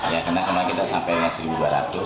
karena kemarin kita sampai dengan rp satu dua ratus